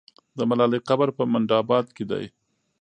د ملالۍ قبر په منډآباد کې دی.